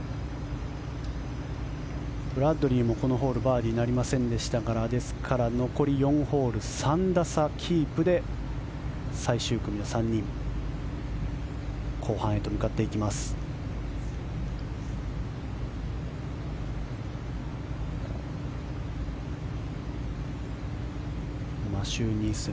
ブラッドリーもこのホールバーディーなりませんでしたのでですから、残り４ホール３打差キープで最終組の３人後半へと向かっていきます。